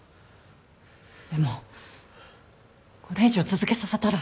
でもこれ以上続けさせたら。